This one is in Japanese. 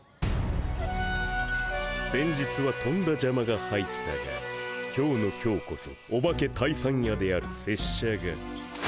先日はとんだじゃまが入ったが今日の今日こそオバケ退散やである拙者が。